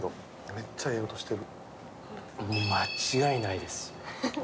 めっちゃいい音している。